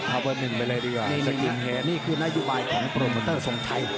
เอาเบอร์หนึ่งไปเลยดีกว่านี่คือนโยบายของโปรโมเตอร์ทรงชัย